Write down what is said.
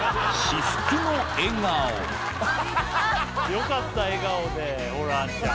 よかった笑顔でホランちゃん。